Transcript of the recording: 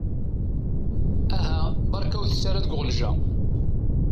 Aha beṛka ur tett ara deg uɣenǧa.